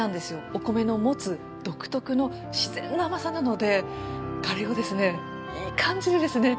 お米の持つ独特の自然の甘さなのでカレーをですねいい感じにですね